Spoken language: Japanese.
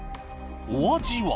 お味は？